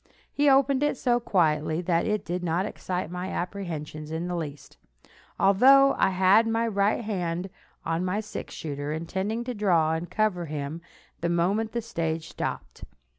He opened it so quietly that it did not excite my apprehensions in the least, although I had my right hand on my six shooter, intending to draw and cover him the moment the stage stopped.